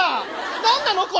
何なのこれ！